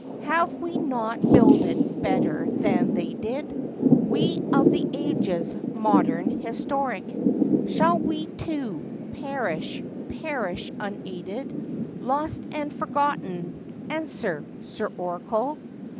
Have we not builded better than they did ? We of the ages modern, historic. Shall we, too, perish, perish unaided, Lost and forgotten ? Answer, Sir Oracle.